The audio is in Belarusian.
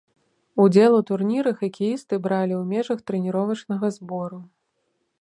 Удзел у турніры хакеісты бралі ў межах трэніровачнага збору.